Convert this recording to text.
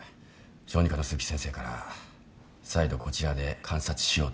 小児科の鈴木先生から再度こちらで観察しようということになりました。